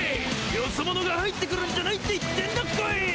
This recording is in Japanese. ヨソ者が入ってくるんじゃないって言ってんだコイ！